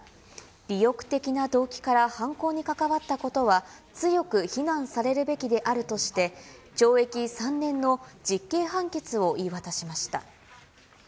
利欲的な動機から犯行に関わったことは強く非難されるべきであるとして、懲役３年の実刑判決を言い渡しました。